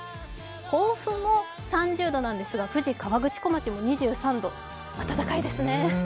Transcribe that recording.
甲府も３０度なんですが、富士河口湖町も２３度、暖かいですね。